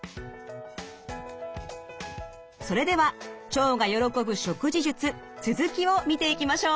それでは腸が喜ぶ食事術続きを見ていきましょう。